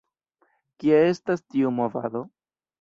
Kia estas tiu movado?